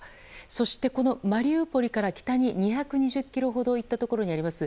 そしてマリウポリから北に２２０ｋｍほど行ったところにあります